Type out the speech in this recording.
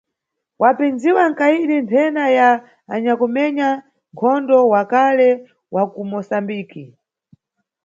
Wapindziwa nkayidi nthena ya anyakumenya nkhondo wa kale wa ku Musambiki.